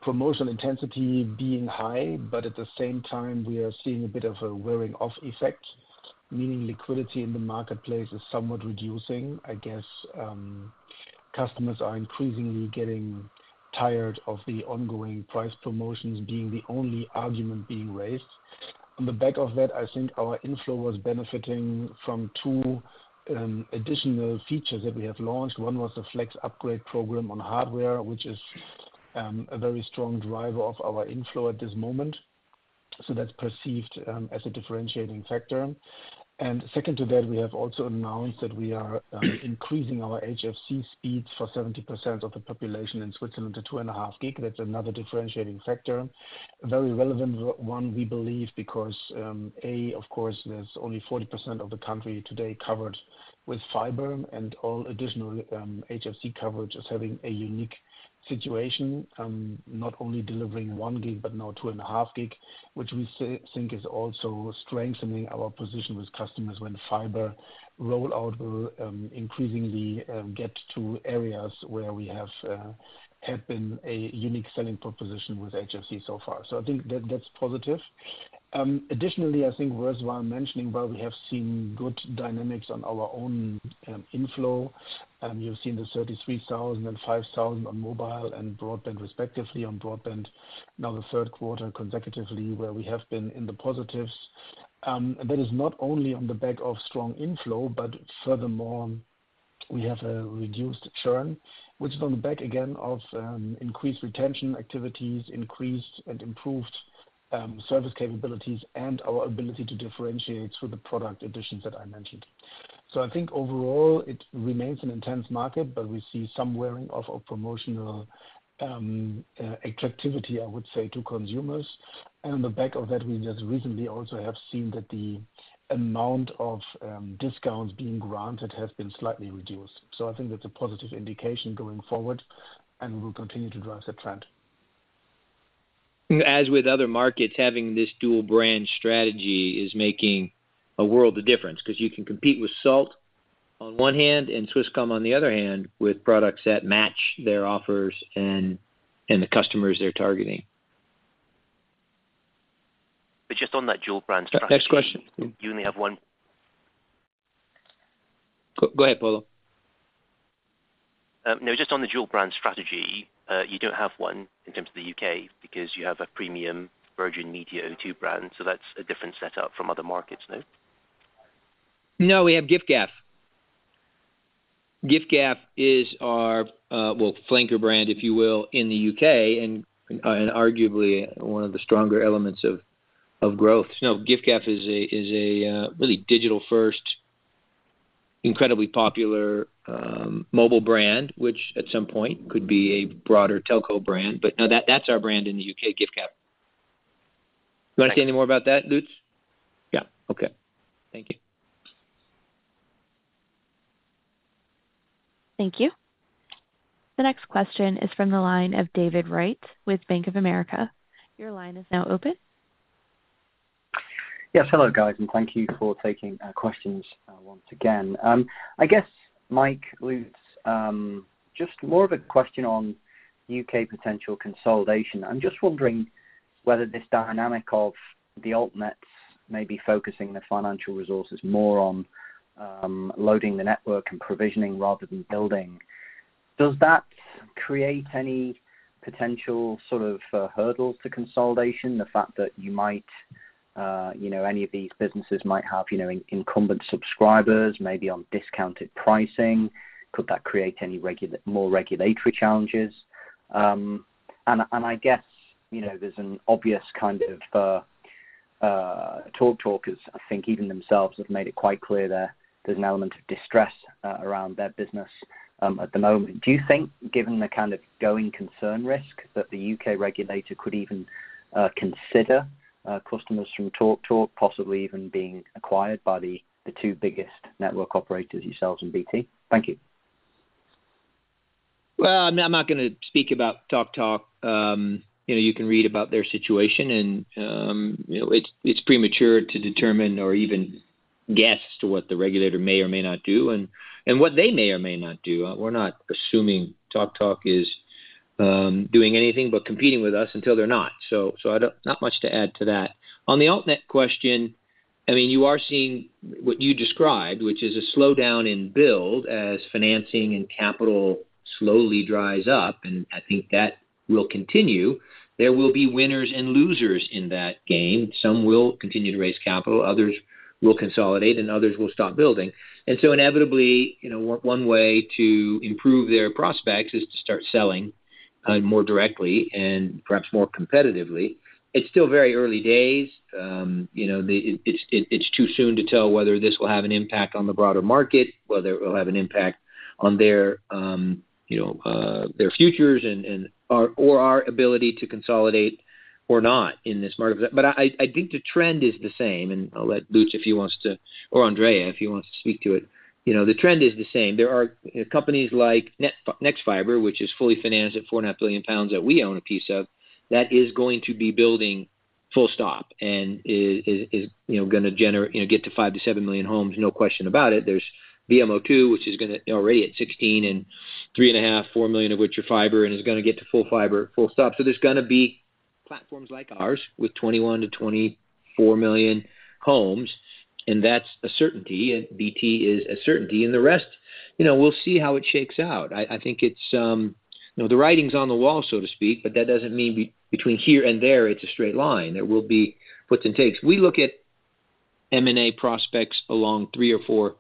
Speaker 10: promotional intensity being high, but at the same time, we are seeing a bit of a wearing off effect.... Meaning liquidity in the marketplace is somewhat reducing. I guess, customers are increasingly getting tired of the ongoing price promotions being the only argument being raised. On the back of that, I think our inflow was benefiting from two additional features that we have launched. One was the Flex Upgrade program on hardware, which is a very strong driver of our inflow at this moment. So that's perceived as a differentiating factor. And second to that, we have also announced that we are increasing our HFC speeds for 70% of the population in Switzerland to 2.5 gig. That's another differentiating factor. A very relevant one, we believe, because, of course, there's only 40% of the country today covered with fiber, and all additional HFC coverage is having a unique situation, not only delivering one gig but now two and a half gig, which we think is also strengthening our position with customers when fiber rollout will increasingly get to areas where we have had been a unique selling proposition with HFC so far. So I think that's positive. Additionally, I think worthwhile mentioning, while we have seen good dynamics on our own inflow, and you've seen the 33,000 and 5,000 on mobile and broadband, respectively, on broadband, now the Q3 consecutively, where we have been in the positives. That is not only on the back of strong inflow, but furthermore, we have a reduced churn, which is on the back again of increased retention activities, increased and improved service capabilities, and our ability to differentiate through the product additions that I mentioned. So I think overall, it remains an intense market, but we see some wearing off of promotional attractivity, I would say, to consumers. And on the back of that, we just recently also have seen that the amount of discounts being granted has been slightly reduced. So I think that's a positive indication going forward, and we'll continue to drive that trend.
Speaker 2: As with other markets, having this dual brand strategy is making a world of difference, 'cause you can compete with Salt on one hand and Swisscom on the other hand, with products that match their offers and the customers they're targeting.
Speaker 9: Just on that dual brand strategy-
Speaker 2: Next question.
Speaker 9: You only have one?
Speaker 2: Go ahead, Polo.
Speaker 9: No, just on the dual brand strategy, you don't have one in terms of the UK, because you have a premium Virgin Media O2 brand, so that's a different setup from other markets, no?
Speaker 2: No, we have Giffgaff. Giffgaff is our, well, flanker brand, if you will, in the UK, and arguably one of the stronger elements of growth. No, Giffgaff is a really digital-first, incredibly popular mobile brand, which at some point could be a broader telco brand. But no, that's our brand in the UK, Giffgaff. You wanna say any more about that, Lutz?
Speaker 5: Yeah, okay. Thank you.
Speaker 1: Thank you. The next question is from the line of David Wright with Bank of America. Your line is now open.
Speaker 11: Yes, hello, guys, and thank you for taking our questions once again. I guess, Mike, Lutz, just more of a question on UK potential consolidation. I'm just wondering whether this dynamic of the alt nets may be focusing the financial resources more on loading the network and provisioning rather than building. Does that create any potential sort of hurdles to consolidation? The fact that you might, you know, any of these businesses might have, you know, incumbent subscribers, maybe on discounted pricing, could that create any more regulatory challenges? And I guess, you know, there's an obvious kind of TalkTalk; I think even themselves have made it quite clear that there's an element of distress around their business at the moment. Do you think, given the kind of going concern risk, that the UK regulator could even consider customers from TalkTalk possibly even being acquired by the two biggest network operators, yourselves and BT? Thank you.
Speaker 2: Well, I'm not gonna speak about TalkTalk. You know, you can read about their situation, and you know, it's premature to determine or even guess to what the regulator may or may not do, and what they may or may not do. We're not assuming TalkTalk is doing anything but competing with us until they're not. So, not much to add to that. On the alt net question, I mean, you are seeing what you described, which is a slowdown in build as financing and capital slowly dries up, and I think that will continue. There will be winners and losers in that game. Some will continue to raise capital, others will consolidate, and others will stop building. And so inevitably, you know, one way to improve their prospects is to start selling more directly and perhaps more competitively. It's still very early days. You know, it's too soon to tell whether this will have an impact on the broader market, whether it will have an impact on their, you know, their futures and or our ability to consolidate or not in this market. But I think the trend is the same, and I'll let Lutz, if he wants to, or Andrea, if he wants to speak to it. You know, the trend is the same. There are, you know, companies like nexfibre, which is fully financed at 4.5 billion pounds, that we own a piece of, that is going to be building full stop, and is, you know, gonna get to 5-7 million homes, no question about it. There's VMO2, which is gonna... You know, already at 16 and 3.5, 4 million of which are fiber and is gonna get to full fiber, full stop. So there's gonna be platforms like ours, with 21-24 million homes, and that's a certainty, and BT is a certainty. And the rest, you know, we'll see how it shakes out. I think it's, you know, the writing's on the wall, so to speak, but that doesn't mean between here and there, it's a straight line. There will be puts and takes. We look at M&A prospects along three or four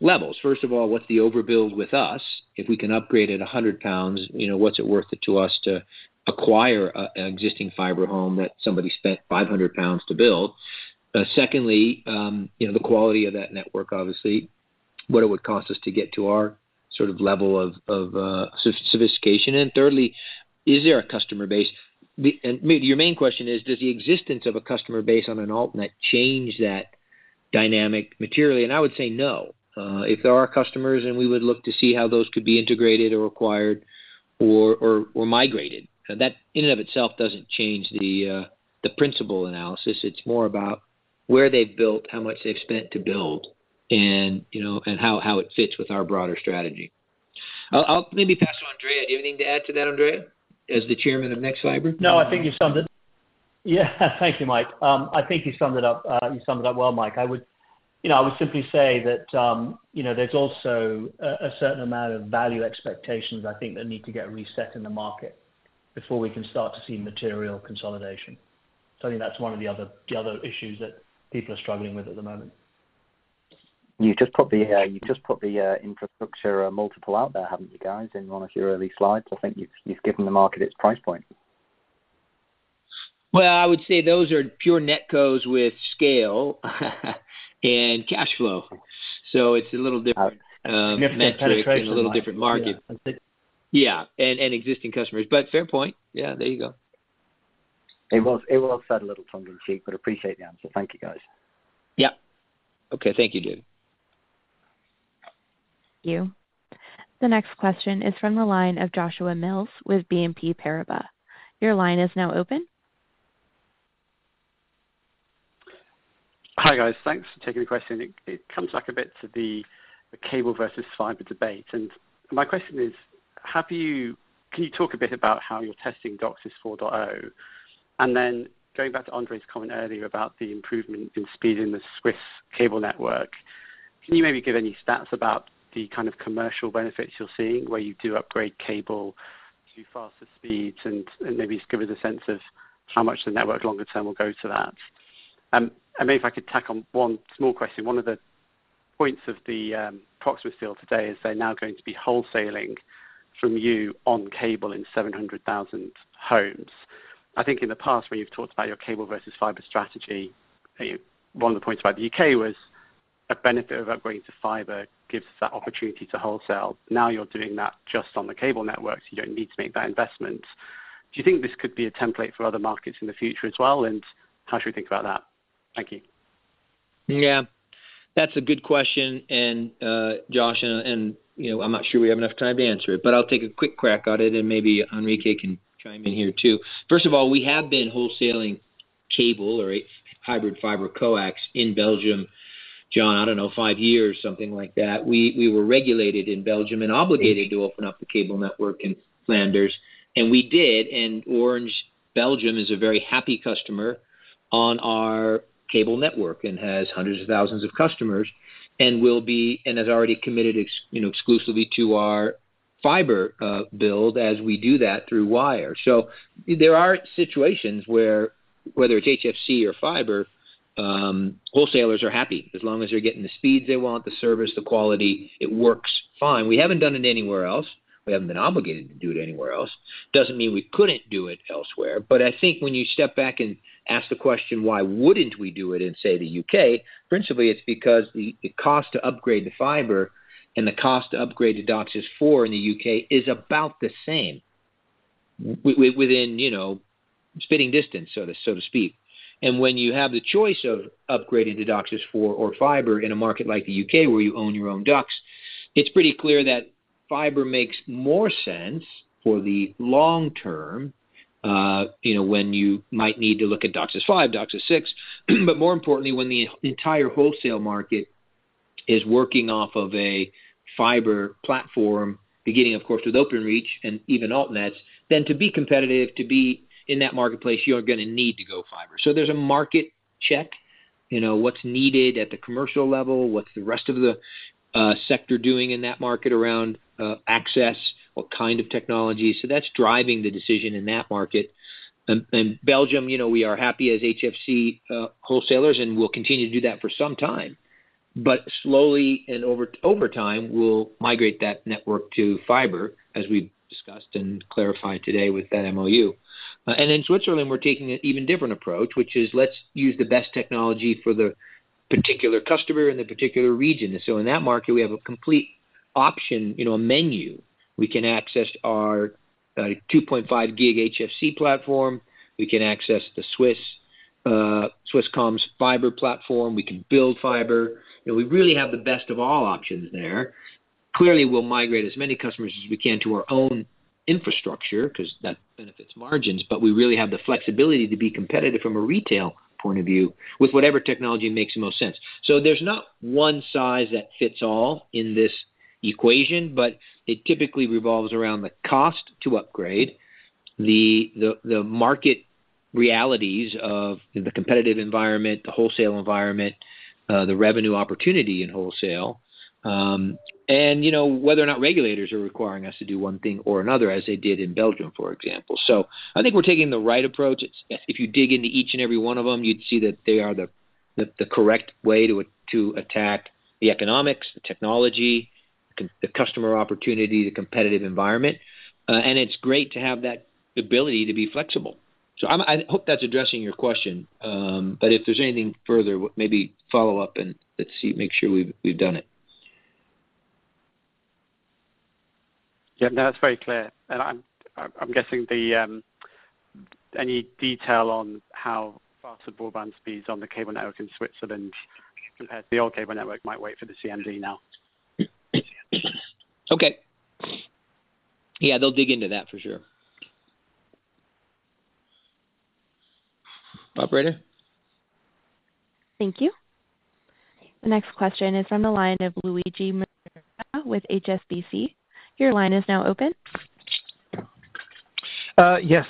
Speaker 2: levels. First of all, what's the overbuild with us? If we can upgrade at 100 pounds, you know, what's it worth it to us to acquire an existing fiber home that somebody spent 500 pounds to build? Secondly, you know, the quality of that network, obviously, what it would cost us to get to our sort of level of sophistication. And thirdly, is there a customer base? And maybe your main question is, does the existence of a customer base on an altnet change that dynamic materially? And I would say, no. If there are customers, then we would look to see how those could be integrated or acquired or, or, or migrated. That, in and of itself, doesn't change the principal analysis. It's more about where they've built, how much they've spent to build, and, you know, and how it fits with our broader strategy. I'll maybe pass to Andrea. Do you have anything to add to that, Andrea, as the chairman of nexfibre?
Speaker 12: No, I think you summed it. Yeah. Thank you, Mike. I think you summed it up, you summed it up well, Mike. I would, you know, I would simply say that, you know, there's also a certain amount of value expectations, I think, that need to get reset in the market before we can start to see material consolidation. So I think that's one of the other, the other issues that people are struggling with at the moment.
Speaker 5: You just put the infrastructure multiple out there, haven't you, guys, in one of your early slides? I think you've given the market its price point.
Speaker 2: Well, I would say those are pure NetCos with scale and cash flow. So it's a little different, metric and a little different market. Yeah. Yeah, and, and existing customers, but fair point. Yeah, there you go.
Speaker 11: It was, it was said a little tongue in cheek, but appreciate the answer. Thank you, guys.
Speaker 2: Yeah. Okay. Thank you, David.
Speaker 1: The next question is from the line of Joshua Mills with BNP Paribas. Your line is now open.
Speaker 13: Hi, guys. Thanks for taking the question. It comes back a bit to the cable versus fiber debate. And my question is: How do you, can you talk a bit about how you're testing DOCSIS 4.0? And then going back to Andrea's comment earlier about the improvement in speed in the Swiss cable network, can you maybe give any stats about the kind of commercial benefits you're seeing, where you do upgrade cable to faster speeds? And maybe just give us a sense of how much the network, longer term, will go to that. And maybe if I could tack on one small question. One of the points of the Proximus deal today is they're now going to be wholesaling from you on cable in 700,000 homes. I think in the past, when you've talked about your cable versus fiber strategy, one of the points about the U.K. was a benefit of upgrading to fiber gives us that opportunity to wholesale. Now, you're doing that just on the cable network, so you don't need to make that investment. Do you think this could be a template for other markets in the future as well? And how should we think about that? Thank you.
Speaker 2: Yeah, that's a good question, and, Josh, and, you know, I'm not sure we have enough time to answer it, but I'll take a quick crack on it, and maybe Enrique can chime in here, too. First of all, we have been wholesaling cable or a hybrid fiber coax in Belgium, John, I don't know, five years, something like that. We were regulated in Belgium and obligated to open up the cable network in Flanders, and we did, and Orange Belgium is a very happy customer on our cable network and has hundreds of thousands of customers and will be and has already committed ex- you know, exclusively to our fiber build as we do that through Wyre. So there are situations where, whether it's HFC or fiber, wholesalers are happy, as long as they're getting the speeds they want, the service, the quality, it works fine. We haven't done it anywhere else. We haven't been obligated to do it anywhere else. Doesn't mean we couldn't do it elsewhere, but I think when you step back and ask the question, why wouldn't we do it in, say, the UK? Principally, it's because the cost to upgrade the fiber and the cost to upgrade to DOCSIS 4 in the UK is about the same, within, you know, spitting distance, so to speak. When you have the choice of upgrading to DOCSIS 4 or fiber in a market like the UK, where you own your own DOCSIS, it's pretty clear that fiber makes more sense for the long term, you know, when you might need to look at DOCSIS 5, DOCSIS 6. But more importantly, when the entire wholesale market is working off of a fiber platform, beginning, of course, with Openreach and even altnets, then to be competitive, to be in that marketplace, you're gonna need to go fiber. So there's a market check, you know, what's needed at the commercial level, what's the rest of the sector doing in that market around access, what kind of technology? So that's driving the decision in that market. And Belgium, you know, we are happy as HFC wholesalers, and we'll continue to do that for some time. But slowly and over time, we'll migrate that network to fiber, as we discussed and clarified today with that MOU. And in Switzerland, we're taking an even different approach, which is let's use the best technology for the particular customer in the particular region. And so in that market, we have a complete option, you know, a menu. We can access our 2.5 gig HFC platform. We can access the Swisscom's fiber platform. We can build fiber. You know, we really have the best of all options there. Clearly, we'll migrate as many customers as we can to our own infrastructure because that benefits margins, but we really have the flexibility to be competitive from a retail point of view with whatever technology makes the most sense. So there's not one size that fits all in this equation, but it typically revolves around the cost to upgrade, the market realities of the competitive environment, the wholesale environment, the revenue opportunity in wholesale, and, you know, whether or not regulators are requiring us to do one thing or another, as they did in Belgium, for example. So I think we're taking the right approach. It's, if you dig into each and every one of them, you'd see that they are the correct way to attack the economics, the technology, the customer opportunity, the competitive environment. And it's great to have that ability to be flexible. So I'm, I hope that's addressing your question, but if there's anything further, maybe follow up and let's see, make sure we've, we've done it.
Speaker 13: Yeah, no, that's very clear. And I'm guessing any detail on how faster broadband speeds on the cable network in Switzerland compared to the old cable network might wait for the CMD now.
Speaker 2: Okay. Yeah, they'll dig into that for sure. Operator?
Speaker 1: Thank you. The next question is from the line of Luigi Minerva with HSBC. Your line is now open.
Speaker 14: Yes.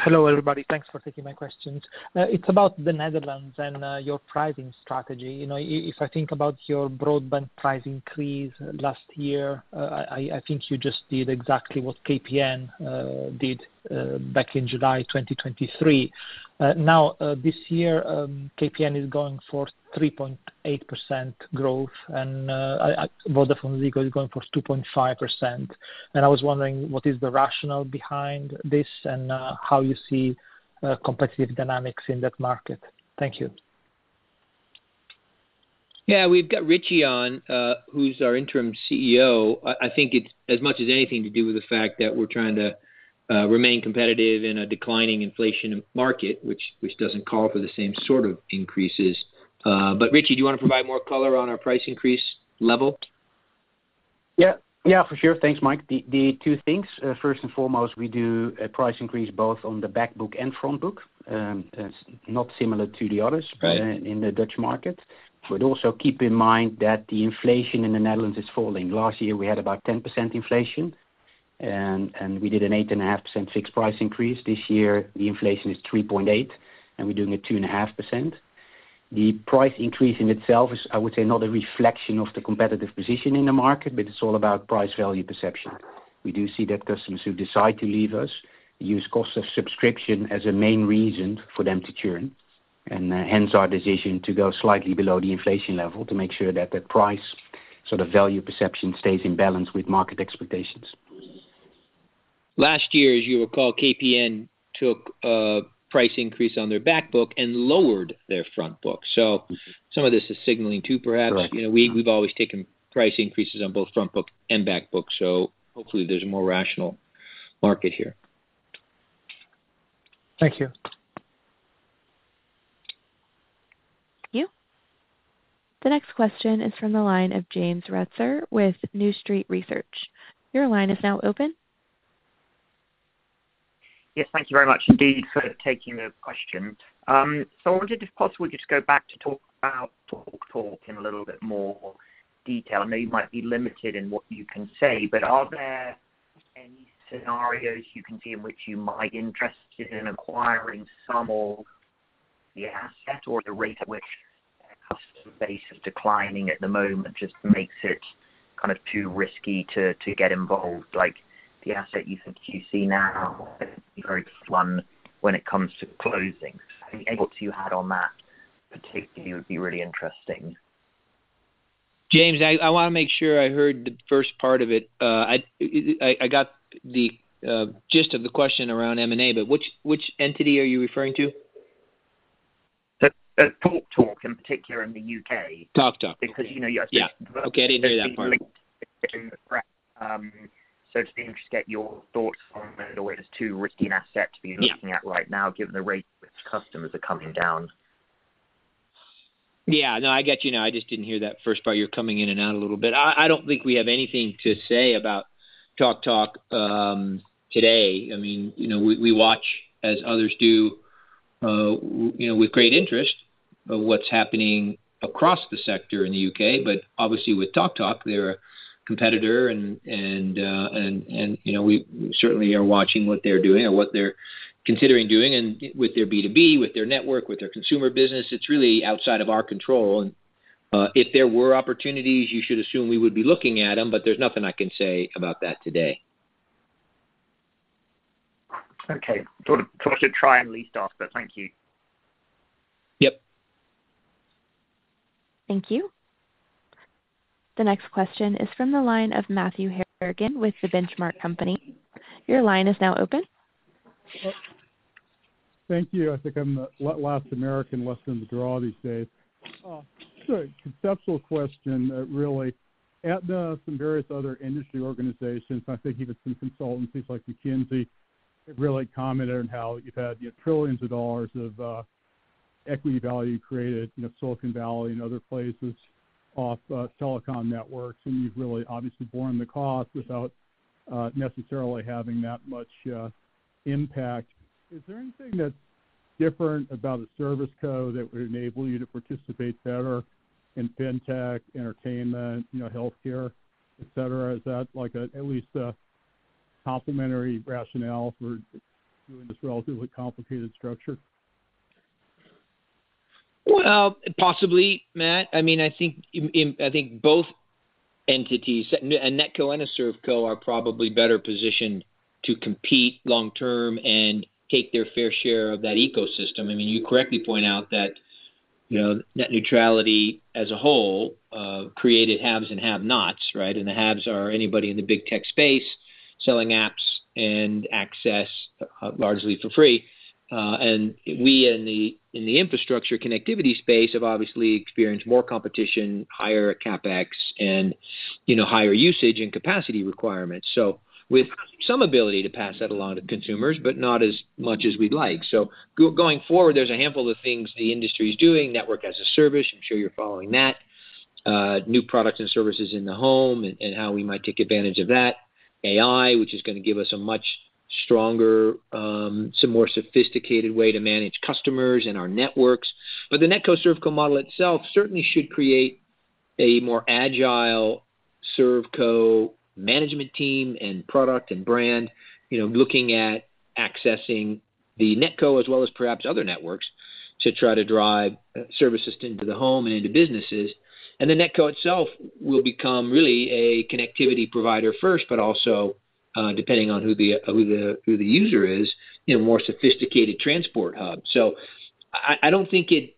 Speaker 14: Hello, everybody. Thanks for taking my questions. It's about the Netherlands and your pricing strategy. You know, if I think about your broadband price increase last year, I think you just did exactly what KPN did back in July 2023. Now, this year, KPN is going for 3.8% growth, and VodafoneZiggo is going for 2.5%. And I was wondering, what is the rationale behind this, and how you see competitive dynamics in that market? Thank you.
Speaker 2: Yeah, we've got Ritchy on, who's our interim CEO. I think it's as much as anything to do with the fact that we're trying to remain competitive in a declining inflation market, which doesn't call for the same sort of increases. But Ritchy, do you want to provide more color on our price increase level?
Speaker 15: Yeah. Yeah, for sure. Thanks, Mike. The two things, first and foremost, we do a price increase both on the backbook and frontbook, that's not similar to the others-
Speaker 2: Right...
Speaker 15: in the Dutch market. But also keep in mind that the inflation in the Netherlands is falling. Last year, we had about 10% inflation, and, and we did an 8.5% fixed price increase. This year, the inflation is 3.8%, and we're doing a 2.5%. The price increase in itself is, I would say, not a reflection of the competitive position in the market, but it's all about price value perception. We do see that customers who decide to leave us use cost of subscription as a main reason for them to churn, and hence our decision to go slightly below the inflation level to make sure that the price, so the value perception, stays in balance with market expectations. Last year, as you recall, KPN took a price increase on their backbook and lowered their frontbook. So-
Speaker 2: Mm-hmm.
Speaker 15: Some of this is signaling too, perhaps.
Speaker 2: Right.
Speaker 15: You know, we've always taken price increases on both frontbook and backbook, so hopefully there's a more rational market here.
Speaker 2: Thank you.
Speaker 1: The next question is from the line of James Ratzer with New Street Research. Your line is now open.
Speaker 16: Yes, thank you very much indeed for taking the question. So I wondered, if possible, just go back to talk about TalkTalk in a little bit more detail. I know you might be limited in what you can say, but are there any scenarios you can see in which you might be interested in acquiring some of the assets or the rate at which customer base is declining at the moment just makes it kind of too risky to get involved? Like, the assets you think you see now very firm when it comes to closing. So anything else you had on that particularly would be really interesting.
Speaker 2: James, I wanna make sure I heard the first part of it. I got the gist of the question around M&A, but which entity are you referring to?
Speaker 16: The TalkTalk, in particular in the UK.
Speaker 2: TalkTalk.
Speaker 16: Because, you know, you-
Speaker 2: Yeah. Okay, I didn't hear that part.
Speaker 16: So just be interested to get your thoughts on whether it's too risky an asset to be looking at right now, given the rate which customers are coming down.
Speaker 2: Yeah. No, I get you now. I just didn't hear that first part. You were coming in and out a little bit. I don't think we have anything to say about TalkTalk today. I mean, you know, we watch, as others do, you know, with great interest, of what's happening across the sector in the UK. But obviously, with TalkTalk, they're a competitor and you know, we certainly are watching what they're doing or what they're considering doing, and with their B2B, with their network, with their consumer business, it's really outside of our control. And if there were opportunities, you should assume we would be looking at them, but there's nothing I can say about that today.
Speaker 16: Okay. Thought I'd try and at least ask, but thank you.
Speaker 2: Yep.
Speaker 1: Thank you. The next question is from the line of Matthew Harrigan with The Benchmark Company. Your line is now open.
Speaker 17: Thank you. I think I'm the last American left in the draw these days. So conceptual question, really. ETNO and various other industry organizations, I'm thinking of some consultants, things like McKinsey, have really commented on how you've had, you know, trillions of dollars of equity value created in Silicon Valley and other places off silicon networks. And you've really obviously borne the cost without necessarily having that much impact. Is there anything that's different about a service co that would enable you to participate better in fintech, entertainment, you know, healthcare, et cetera? Is that like a, at least a complementary rationale for doing this relatively complicated structure?
Speaker 2: Well, possibly, Matt. I mean, I think in, I think both entities, a NetCo and a ServCo are probably better positioned to compete long term and take their fair share of that ecosystem. I mean, you correctly point out that, you know, net neutrality as a whole created haves and have-nots, right? And the haves are anybody in the big tech space selling apps and access largely for free. And we in the infrastructure connectivity space have obviously experienced more competition, higher CapEx, and, you know, higher usage and capacity requirements. So with some ability to pass that along to consumers, but not as much as we'd like. So going forward, there's a handful of things the industry is doing. Network as a service, I'm sure you're following that. New products and services in the home and how we might take advantage of that. AI, which is gonna give us a much stronger, some more sophisticated way to manage customers and our networks. But the NetCo, ServCo model itself certainly should create a more agile ServCo management team and product and brand, you know, looking at accessing the NetCo as well as perhaps other networks, to try to drive services into the home and into businesses. And the NetCo itself will become really a connectivity provider first, but also, depending on who the user is, a more sophisticated transport hub. So I don't think it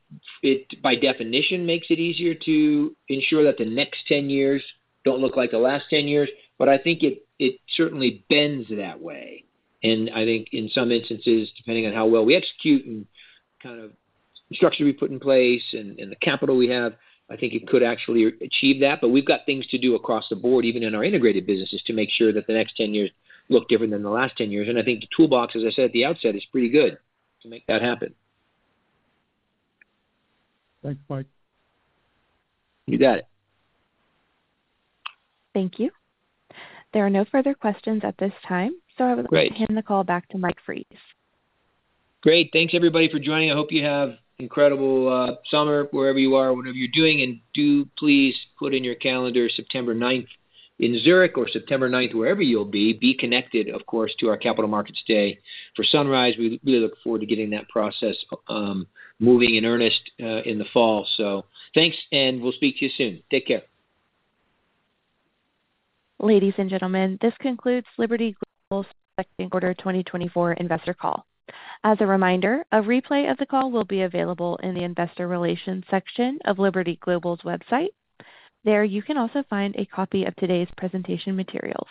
Speaker 2: by definition makes it easier to ensure that the next 10 years don't look like the last 10 years, but I think it certainly bends that way. And I think in some instances, depending on how well we execute and kind of the structure we put in place and the capital we have, I think it could actually achieve that. But we've got things to do across the board, even in our integrated businesses, to make sure that the next 10 years look different than the last 10 years. And I think the toolbox, as I said at the outset, is pretty good to make that happen.
Speaker 17: Thanks, Mike.
Speaker 2: You got it.
Speaker 1: Thank you. There are no further questions at this time.
Speaker 2: Great.
Speaker 1: So I would like to hand the call back to Mike Fries.
Speaker 2: Great. Thanks, everybody, for joining. I hope you have an incredible summer, wherever you are, whatever you're doing. And do please put in your calendar September ninth in Zurich or September ninth, wherever you'll be. Be connected, of course, to our Capital Markets Day. For Sunrise, we really look forward to getting that process moving in earnest in the fall. So thanks, and we'll speak to you soon. Take care.
Speaker 1: Ladies and gentlemen, this concludes Liberty Global's Q2 2024 investor call. As a reminder, a replay of the call will be available in the investor relations section of Liberty Global's website. There, you can also find a copy of today's presentation materials.